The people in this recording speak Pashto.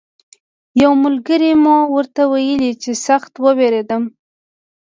یوه ملګري مو ورته ویل چې سخت ووېرېدو.